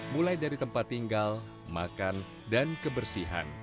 mulai dari tempat tinggal makan dan kebersihan